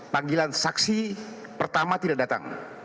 panggilan saksi pertama tidak datang